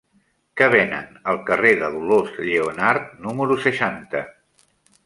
Què venen al carrer de Dolors Lleonart número seixanta?